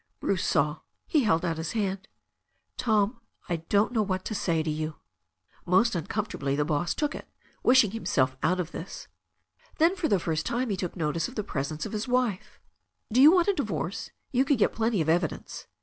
Bruce saw. He held out his hand. "Tom, I don't know what to say to you." Most uncomfortably the boss took it, wishing himself out of this. Then for the first time he took notice of the pres ence of his wife. 376 THE STORY OF A NEW ZEALAND RIVER "Do you want a divorce? You could get plenty of evi dence."